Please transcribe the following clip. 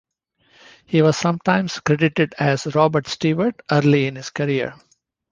He was sometimes credited as Robert Stewart early in his career.